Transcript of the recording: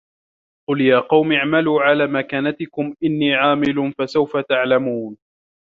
قُل يا قَومِ اعمَلوا عَلى مَكانَتِكُم إِنّي عامِلٌ فَسَوفَ تَعلَمونَ